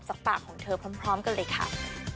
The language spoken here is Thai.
จากปากของเธอพร้อมกันเลยค่ะ